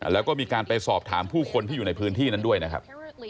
แล้วก็มีการไปสอบถามผู้คนที่อยู่ในพื้นที่นั้นด้วยนะครับ